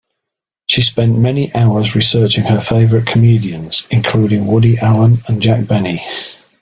She spent many hours researching her favorite comedians, including Woody Allen and Jack Benny.